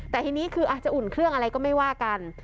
แต่ทีนี้คืออาจจะอุ่นเครื่องอะไรก็ไม่ว่ากัน